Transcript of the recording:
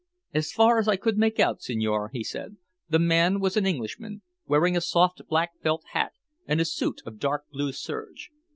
"As far as I could make out, signore," he said, "the man was an Englishman, wearing a soft black felt hat and a suit of dark blue serge.